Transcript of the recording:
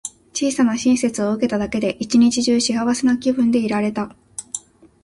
小さな親切を受けただけで、一日中幸せな気分でいられた。